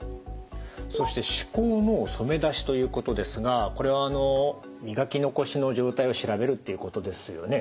そして歯垢の染め出しということですがこれはあの磨き残しの状態を調べるっていうことですよね。